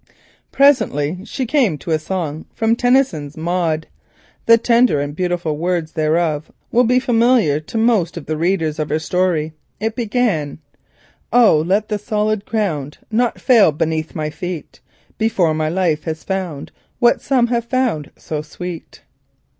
Presently, she sang a song from Tennyson's "Maud," the tender and beautiful words whereof will be familiar to most readers of her story. It began: "O let the solid ground Not fail beneath my feet Before my life has found What some have found so sweet."